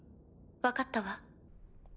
分かったわ。